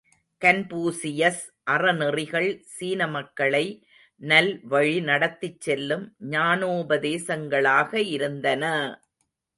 Confucius அறநெறிகள் சீன மக்களை நல்வழி நடத்திச் செல்லும் ஞானோபதேசங்களாக இருந்தன!